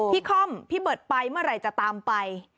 คอมพี่เบิร์ตไปเมื่อไหร่จะตามไป